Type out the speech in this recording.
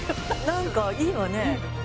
なんかいいわね。